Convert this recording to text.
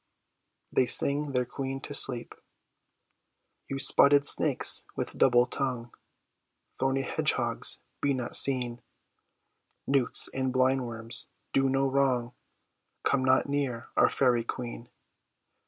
They Sing Their Queen to Sleep, You spotted snakes with double tongue, Thorny hedgehogs, be not seen; Newts and blind worms, do no wrong; Come not near our fairy queen.